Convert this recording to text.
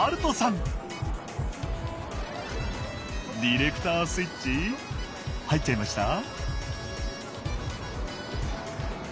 ディレクタースイッチ入っちゃいました？